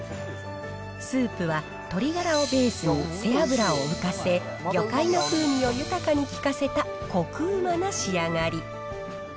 スープは鶏ガラをベースに背脂を浮かせ、魚介の風味を豊かに効かせたこくうまな仕上がり。